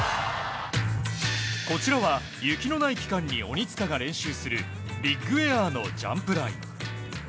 こちらは雪のない期間に鬼塚が練習するビッグエアのジャンプ台。